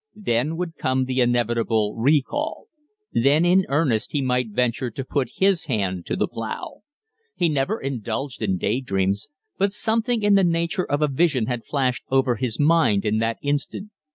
Then would come the inevitable recall; then in earnest he might venture to put his hand to the plough. He never indulged in day dreams, but something in the nature of a vision had flashed over his mind in that instant.